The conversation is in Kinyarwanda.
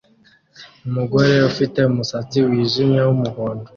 Umugore ufite umusatsi wijimye wumuhondo